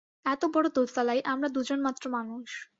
এত বড় দোতলায় আমরা দুজনমাত্র মানুষ।